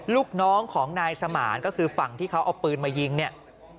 ลูกน้องของนายสมานก็คือฝั่งที่เขาเอาปืนมายิงเนี่ย